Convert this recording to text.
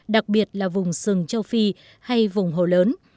đặc biệt là vùng sừng châu phi hay vùng hồ lớn